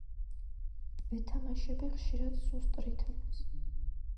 ვეთამაშები ხშირად სუსტ რითმებს.